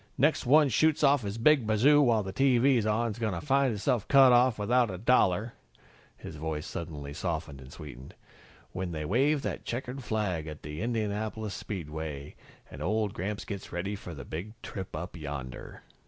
"Next one shoots off his big bazoo while the TV's on is gonna find hisself cut off without a dollar " his voice suddenly softened and sweetened "when they wave that checkered flag at the Indianapolis Speedway, and old Gramps gets ready for the Big Trip Up Yonder."